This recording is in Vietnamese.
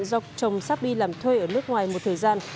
do chồng sắp đi làm thuê ở nước ngoài một thời gian